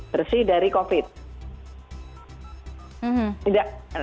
bersih dari covid sembilan belas